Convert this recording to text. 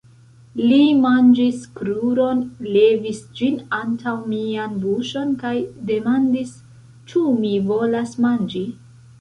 Li manĝis kruron, levis ĝin antaŭ mian buŝon kaj demandis ĉu mi volas manĝi.